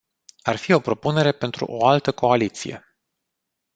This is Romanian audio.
Ar fi o propunere pentru o altă coaliție.